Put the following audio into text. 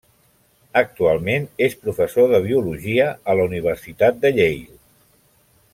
Actualment és professor de biologia a la Universitat Yale.